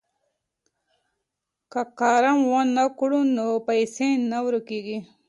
که قمار ونه کړو نو پیسې نه ورکيږي.